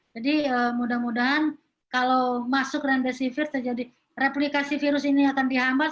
jadi mudah mudahan kalau masuk remdesivir replikasi virus ini akan dihambat